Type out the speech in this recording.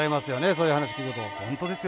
そういう話聞くと。